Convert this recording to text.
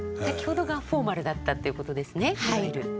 先ほどがフォーマルだったということですねいわゆる。